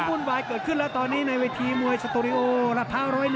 ความวุ่นวายเกิดขึ้นแล้วตอนนี้ในวิธีมวยสตูริโอรัภา๑๐๑